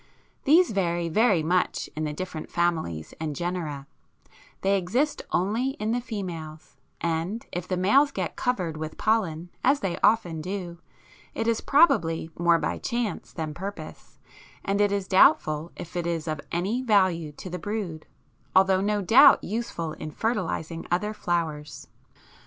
These vary very much in the different families and genera; they exist only in the females, and, if the males get covered with pollen, as they often do, it is probably more by chance than purpose, and it is doubtful if it is of any value to the brood, although no doubt useful in fertilizing other flowers.